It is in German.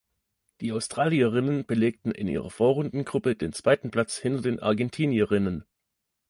Die Australierinnen belegten in ihrer Vorrundengruppe den zweiten Platz hinter den Argentinierinnen.